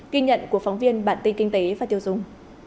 ghi nhận của phóng viên bản tin kinh tế và tiêu dùng